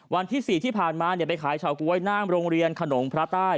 วันที่๔ที่ผ่านมาไปขายเฉาก๊วยหน้าโรงเรียนขนมพระใต้